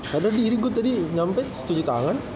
haral diri gue tadi nyampe cuci tangan